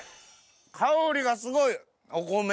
香りがすごいお米の。